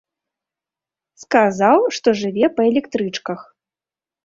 Сказаў, што жыве па электрычках.